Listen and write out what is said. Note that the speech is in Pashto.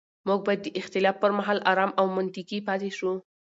موږ باید د اختلاف پر مهال ارام او منطقي پاتې شو